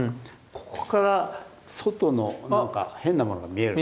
ここから外の何か変なものが見える。